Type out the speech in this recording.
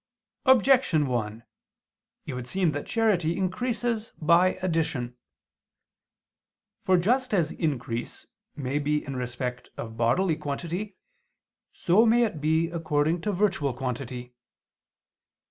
Objection 1: It would seem that charity increases by addition. For just as increase may be in respect of bodily quantity, so may it be according to virtual quantity.